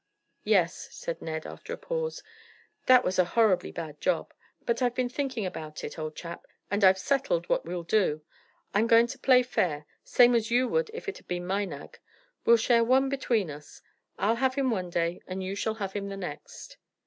"Yes," said Ned, after a pause; "that was a horribly bad job; but I've been thinking about it all, old chap, and I've settled what we'll do. I'm going to play fair same as you would if it had been my nag. We'll share one between us. I'll have him one day, and you shall have him the next."